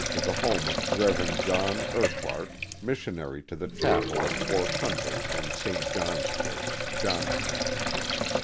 to the home of Rev, John Urquhart, missionary to the chapel at Fort Hunter and St. John's Church, Johnstown.